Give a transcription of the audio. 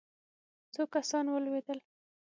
څو کسان ولوېدل.